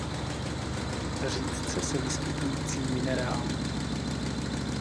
Řídce se vyskytující minerál.